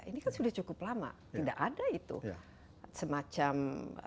ini kan sudah cukup lama tidak ada itu semacam